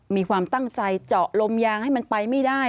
มีความตั้งใจเจาะลมยางให้มันไปไม่ได้